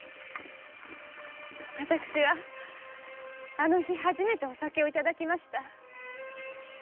私はあの日初めてお酒をいただきました。